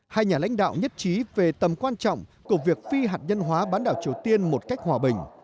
hai nhà lãnh đạo nhất trí về tầm quan trọng của việc phi hạt nhân hóa bán đảo triều tiên một cách hòa bình